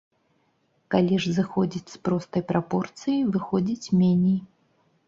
Калі ж зыходзіць з простай прапорцыі, выходзіць меней.